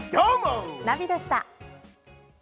ナビでした。